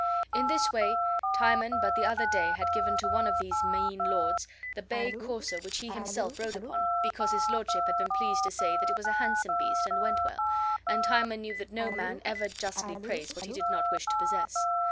In this way Timon but the other day had given to one of these mean lords the bay courser which he himself rode upon, because his lordship had been pleased to say that it was a handsome beast and went well; and Timon knew that no man ever justly praised what he did not wish to possess.